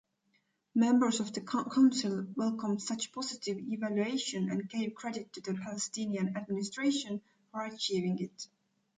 Members of the Council welcomed such positive evaluation and gave credit to the Palestinian Administration for achieving it.